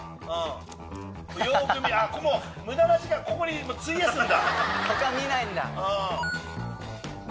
よく見る無駄な時間ここに費やすんだ。